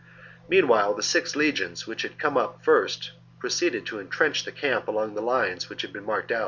Meanwhile the six legions which had come up first proceeded to entrench the camp along the lines which had been marked out.